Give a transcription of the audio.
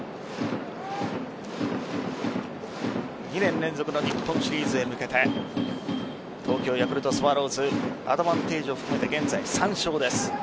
２年連続の日本シリーズへ向けて東京ヤクルトスワローズアドバンテージを含めて現在３勝です。